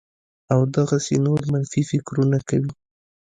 او دغسې نور منفي فکرونه کوي